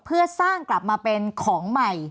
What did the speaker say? เพื่อสร้างกลับมาเป็นของใหม่